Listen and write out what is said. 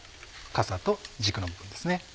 かさと軸の部分ですね。